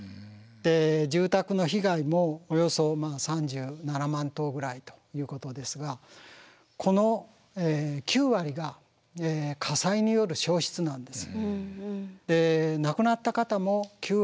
住宅の被害もおよそ３７万棟ぐらいということですがこの９割が火災による焼失なんです。